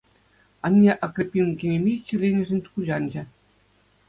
Анне Акриппин кинемей чирленӗшӗн кулянчӗ.